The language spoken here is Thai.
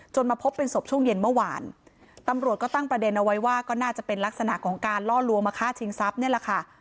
มาพบเป็นศพช่วงเย็นเมื่อวานตำรวจก็ตั้งประเด็นเอาไว้ว่าก็น่าจะเป็นลักษณะของการล่อลวงมาฆ่าชิงทรัพย์นี่แหละค่ะ